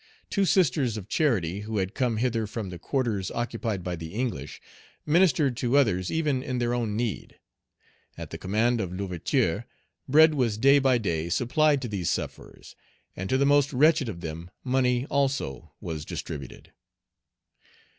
Two Sisters of Charity who had come hither from the quarters occupied by the English, ministered to others even in their own need. At the command of L'Ouverture, bread was day by day supplied to these sufferers, and to the most wretched of them money also was distributed.